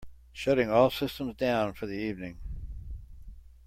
Shutting all systems down for the evening.